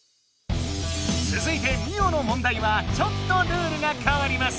つづいてミオの問題はちょっとルールがかわります！